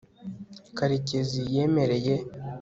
karekezi yemeye